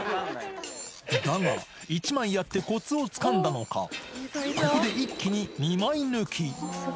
だが、１枚やってこつをつかんだのか、ここで一気に２枚抜き。